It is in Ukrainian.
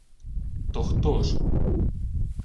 — То хто ж?